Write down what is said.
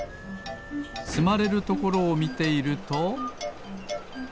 つまれるところをみていると。